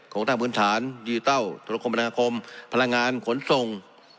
ส่งตั้งพื้นฐานยือเต้าธุรกรรมนาคมพลังงานขนส่ง